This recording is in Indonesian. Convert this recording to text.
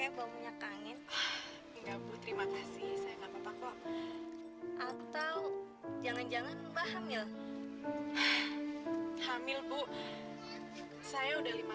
bang langsungin aja ke sini ya